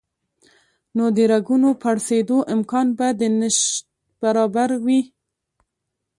نو د رګونو پړسېدو امکان به د نشت برابر وي